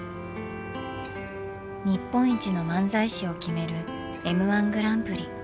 日本一の漫才師を決める「Ｍ−１グランプリ」。